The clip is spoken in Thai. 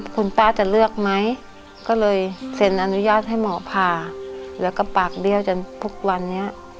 คุณป้าจะเลือกไหมก็เลยเซ็นอนุญาตให้หมอผ่าแล้วก็ปากเบี้ยวจนทุกวันนี้